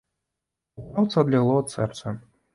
У краўца адлягло ад сэрца.